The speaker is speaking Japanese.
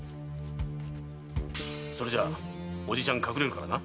それじゃおじちゃん隠れるからな。